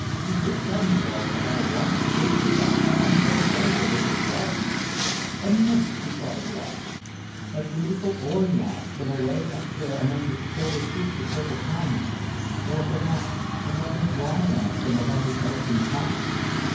He did tell me, though, about a wonderful creature that comes every day to visit the garden. A nymph, he thought it was a beautiful Oread from away up there among the silver peaks and purple canyons or, perhaps, a lovely Dryad from among the oaks and pines.